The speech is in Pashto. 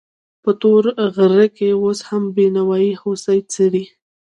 په تور غره کې اوس هم بېواني هوسۍ څري.